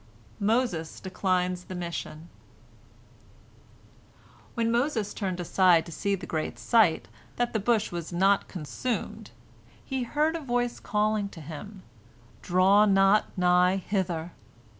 MOSES DECLINES THE MISSION When Moses turned aside to see the great sight, that the bush was not consumed, he heard a voice calling to him, "Draw not nigh hither."